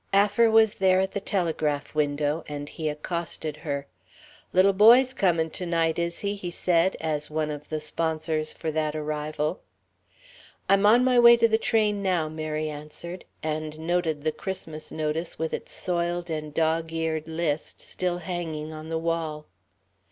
Affer was there at the telegraph window, and he accosted her. "Little boy's comin' to night, is he?" he said, as one of the sponsors for that arrival. "I'm on my way to the train now," Mary answered, and noted the Christmas notice with its soiled and dog eared list still hanging on the wall.